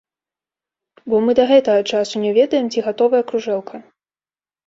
Бо мы да гэтага часу не ведаем, ці гатовая кружэлка.